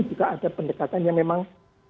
juga ada pendekatan yang memang